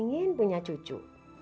mungkin punya cucu